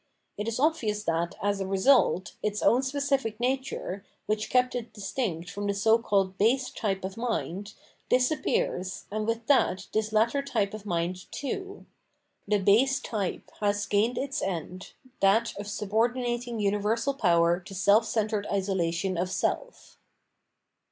It is obvious that, as a result, its own specific nature, which kept it distinct from the so called base type of mind, disappears, and with that this latter tjrpe of mind too. The base type has gained its end, that of subordinating universal power to self centred isolation of self.